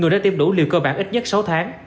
người đã tiêm đủ liều cơ bản ít nhất sáu tháng